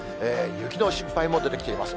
雪の心配も出てきています。